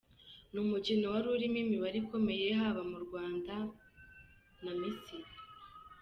Ni umukino warimo imibare ikomeye haba ku Rwanda na Misiri